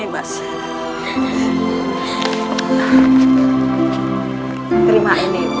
terima kasih nima